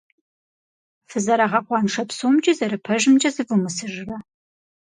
Фызэрагъэкъуаншэ псомкӏи зэрыпэжымкӏэ зывумысыжрэ?